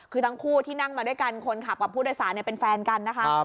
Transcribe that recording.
คือทั้งคู่ที่นั่งมาด้วยกันคนขับกับผู้โดยสารเป็นแฟนกันนะคะ